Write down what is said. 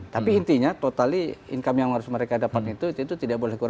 tapi intinya totali income yang harus mereka dapat itu itu tidak boleh keluar